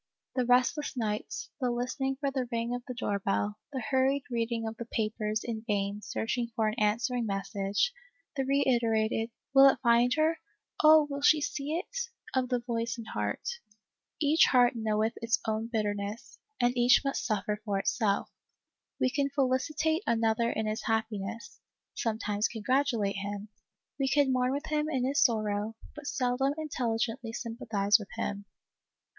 The restless nights, the listening fot the ring of the door bell, the hurried reading of the papers in vain search for an answering message, the reiterated, " will it find her ! oh, will she see it J " of the voice and heart. ALICE ; OR, THE WAGES OF SIN. 3 Each heart knoweth its own bitterness, and each must suffer for itself. We can felicitate another in his happiness, sometimes congratulate him ; we can mourn with him in his sorrow, but seldom in telligently sympathize with him.